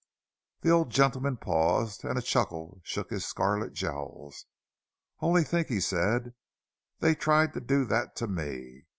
The old gentleman paused, and a chuckle shook his scarlet jowls. "Only think!" he said—"they tried to do that to me!